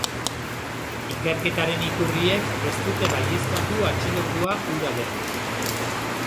Ikerketaren iturriek ez dute baieztatu atxilotua hura den.